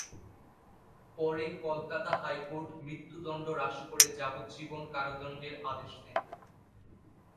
পরে কলকাতা হাইকোর্ট মৃত্যুদণ্ড হ্রাস করে যাবজ্জীবন কারাদণ্ডের আদেশ দেন।